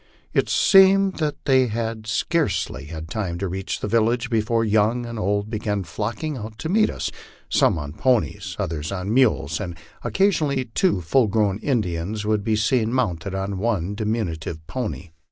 It seemed that they had scarcely had time to reach the village, before young and old began flocking out to meet us, some on ponies, others on mules, and occasionally two full grown Indians would be seen mounted on one diminutive pony.